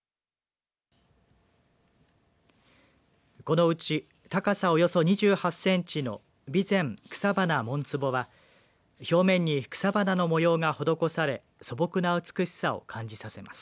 このうち高さおよそ２８センチの備前草花文壷は表面に草花の模様が施され素朴な美しさを感じさせています。